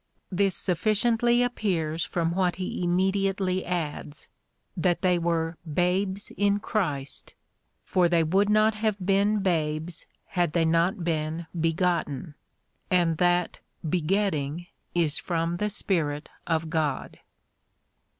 This sufficiently appears from what he immediately adds — that they were hahes in Christ ; for they would not have been babes had they not been begotten, and that begetting is from the Spirit of God.